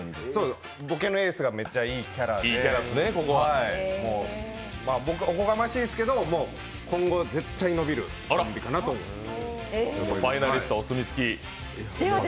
ボケのエースがめっちゃいいキャラで、おこがましいんですけど、今後、絶対伸びるコンビかなと思います。